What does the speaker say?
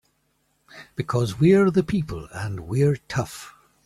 Because we're the people and we're tough!